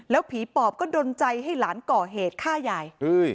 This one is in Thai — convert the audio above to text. ผีปอบก็ดนใจให้หลานก่อเหตุฆ่ายาย